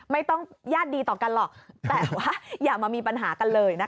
ไม่ต้องญาติดีต่อกันหรอกแต่ว่าอย่ามามีปัญหากันเลยนะคะ